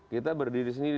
kita berdiri sendiri